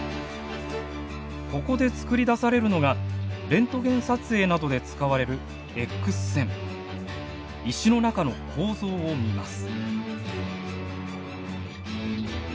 ここでつくり出されるのがレントゲン撮影などで使われる石の中の構造を見ます。